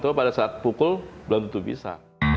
cuma pada saat pukul belum tentu bisa